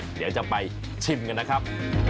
เดี๋ยวจะไปชิมกันนะครับ